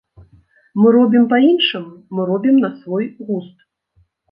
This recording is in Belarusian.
Мы робім па-іншаму, мы робім на свой густ.